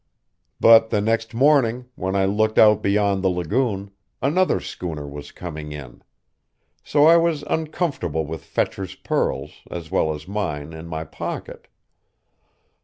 "But the next morning, when I looked out beyond the lagoon, another schooner was coming in. So I was uncomfortable with Fetcher's pearls, as well as mine, in my pocket.